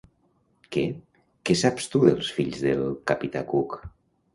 Què, què saps tu dels fills del capità Cook?